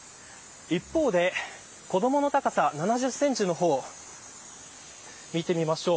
一方で、子どもの高さ７０センチの方見てみましょう。